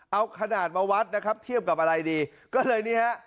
เอาขนาดมาวัดนะครับเทียบกับอะไรดีก็เลยนี่ฮะ